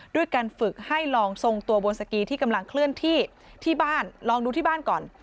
ด้วยการฝึกให้ลองทรงตัวบนสกีที่กำลังเคลื่อนที่ที่บ้านลองดูที่บ้านก่อน